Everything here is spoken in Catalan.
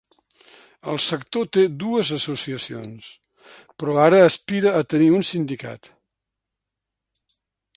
El sector té dues associacions, però ara aspira a tenir un sindicat.